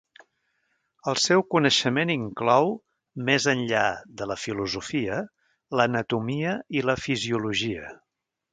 El seu coneixement inclou, més enllà de la filosofia, l'anatomia i la fisiologia.